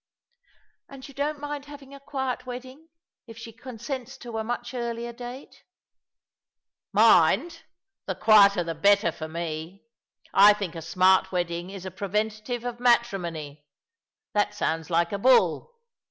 '' "And yon don't mind having a quiet wedding, if she consents to a much earlier date ?"" Mind ? The quieter the better for me ! I think a smart wedding is a preventive of matrimony. That sounds like a bull.